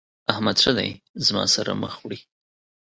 احمد ښه دی زما سره مخ وړي.